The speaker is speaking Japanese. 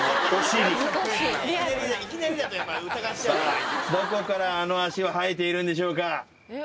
さぁどこからあの足は生えているんでしょうか？